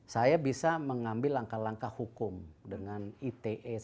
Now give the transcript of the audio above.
saya bisa mengambil langkah langkah hukum dengan ite